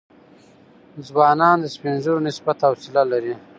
ځوانان د سپین ږیرو نسبت حوصله لري.